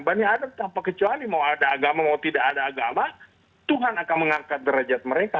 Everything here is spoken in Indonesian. berani ada tanpa kecuali mau ada agama mau tidak ada agama tuhan akan mengangkat derajat mereka